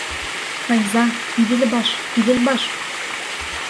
Файза, Иҙелбаш, Иҙелбаш!..